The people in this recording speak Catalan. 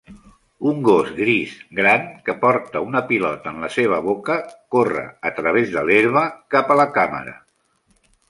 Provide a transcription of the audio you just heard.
Un gos gris gran que porta una pilota en la seva boca corre a través de l'herba cap a la càmera.